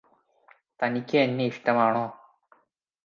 തനിക്ക് എന്നെയിഷ്ടമാണോ?